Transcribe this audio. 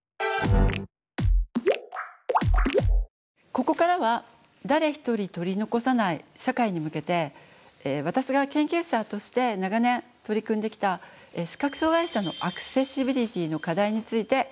ここからは誰ひとり取り残さない社会に向けて私が研究者として長年取り組んできた視覚障害者のアクセシビリティーの課題についてお話ししたいと思います。